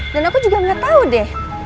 dan aku juga gak tau deh